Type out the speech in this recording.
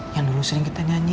yang dulu sering kita nyanyi